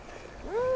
うん。